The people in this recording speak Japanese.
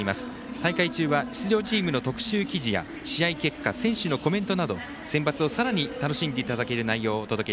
大会中は出場チームの特集記事や選手のコメントなどセンバツをさらに楽しんでいただける内容です。